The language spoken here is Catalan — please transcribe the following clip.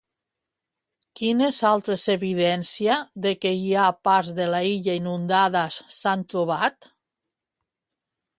Quines altres evidència de que hi ha parts de l'illa inundades s'han trobat?